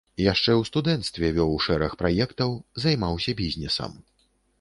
Яшчэ ў студэнцтве вёў шэраг праектаў, займаўся бізнесам.